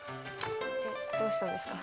どうしたんですか？